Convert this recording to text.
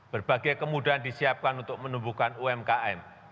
berbagai kemudahan disiapkan untuk menumbuhkan umkm